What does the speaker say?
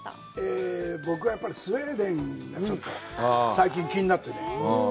僕はやっぱりスウェーデンがちょっと最近、気になってね。